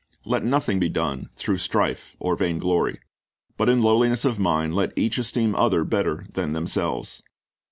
Let nothing be done through strife or vainglory; but in lowliness of mind let each esteem other better than themselves.